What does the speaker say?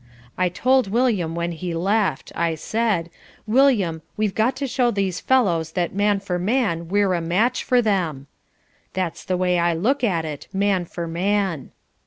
I told William when he left. I said, 'William, we've got to show these fellows that man for man we're a match for them.' That's the way I look at it, man for man."